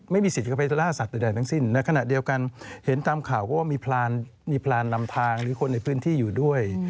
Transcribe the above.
ไม่มีสิทธิ์เข้าไปล่าสัตว์ใดทั้งสิ้นในขณะเดียวกันเห็นตามข่าวก็ว่ามีพรานลำทางหรือคนในพื้นที่อยู่ด้วย